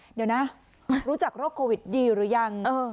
เดี๋ยวนะรู้จักโรคโควิดดีหรือยัง